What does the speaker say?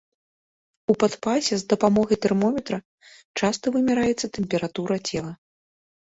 У падпасе з дапамогай тэрмометра часта вымяраецца тэмпература цела.